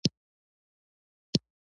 په مردان کې پر بخشالي ډاډه ده.